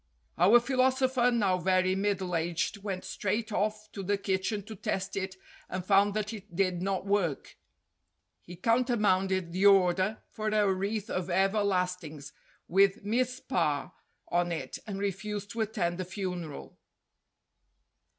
Our philosopher, now very middle aged, went straight off to the kitchen to test it and found that it did not work. He countermanded the order for a wreath of everlast ings with "Mizpah" on it and refused to attend the funeral.